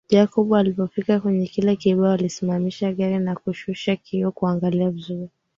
Jacob alipofika kwenye kile kibao alisimamisha gari akashusha kioo kuangalia vizuri